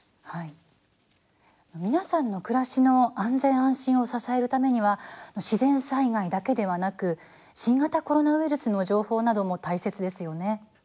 皆さんの暮らしの安全・安心を支えるためには自然災害だけではなく新型コロナウイルスの情報なども大切ですよね。